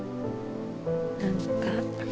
何か。